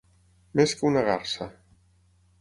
Més que una garsa.